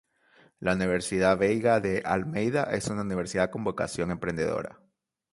La Universidad Veiga de Almeida es una universidad con vocación emprendedora.